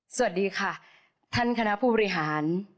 สวัสดีค่ะท่านคณะผู้บริหาร